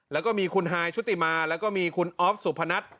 แล้วก็มีคุณฮายชุติมาแล้วก็มีคุณอ๊อฟสุพนัท